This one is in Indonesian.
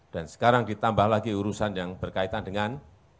dan sekarang ditambah lagi urusan yang berkaitan dengan